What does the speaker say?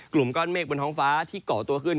กลุ่มก้อนเมฆบนท้องฟ้าที่เกาะตัวขึ้น